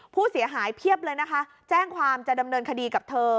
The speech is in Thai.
ผู้เสียหายเพียบเลยนะคะแจ้งความจะดำเนินคดีกับเธอ